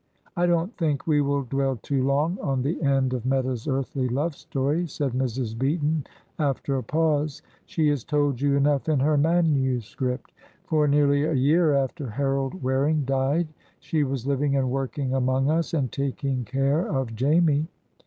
"I don't think we will dwell too long on the end of Meta's earthly love story," said Mrs. Beaton, after a pause; "she has told you enough in her manuscript. For nearly a year after Harold Waring died she was living and working among us, and taking care of Jamie.